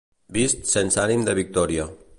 Vist sense ànim de victòria.